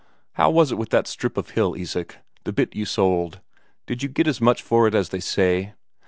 How was it with that strip of hill, Isak the bit you sold? Did you get as much for it as they say?"